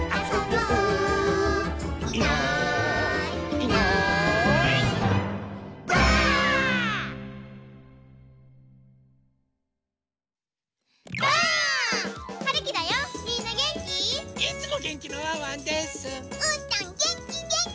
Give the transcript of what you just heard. うーたんげんきげんき！